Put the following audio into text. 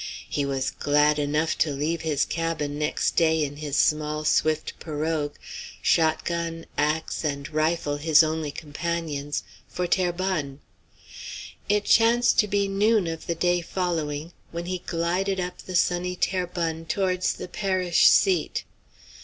He was glad enough to leave his cabin next day in his small, swift pirogue shot gun, axe, and rifle his only companions for Terrebonne. It chanced to be noon of the day following, when he glided up the sunny Terrebonne towards the parish seat.